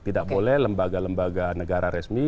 tidak boleh lembaga lembaga negara resmi